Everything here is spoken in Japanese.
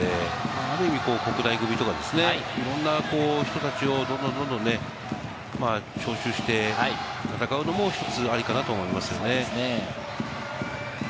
ある意味、国内組とかいろんな人たちをどんどん、どんどん招集して戦うのも１つありかなと思いますね。